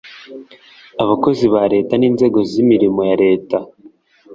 Abakozi ba Leta n Inzego z Imirimo ya Leta